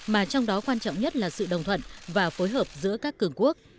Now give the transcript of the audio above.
mà trong đó quan trọng nhất là sự đồng thuận và phối hợp giữa các cường quốc